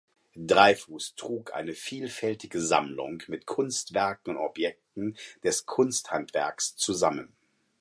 Dreyfus trug eine vielfältige Sammlung mit Kunstwerken und Objekten des Kunsthandwerks zusammen.